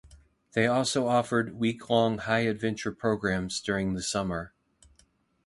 They also offered week-long high adventure programs during the summer.